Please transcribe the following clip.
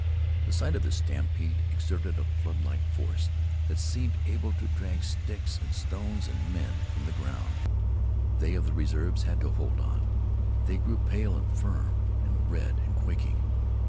The sight of this stampede exerted a floodlike force that seemed able to drag sticks and stones and men from the ground. They of the reserves had to hold on. They grew pale and firm, and red and quaking.